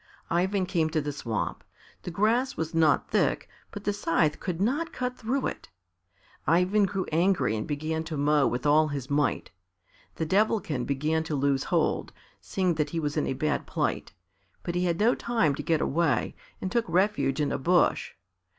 Ivan came to the swamp. The grass was not thick, but the scythe could not cut through it. Ivan grew angry and began to mow with all his might. The Devilkin began to lose hold, seeing that he was in a bad plight, but he had no time to get away and took refuge in a bush.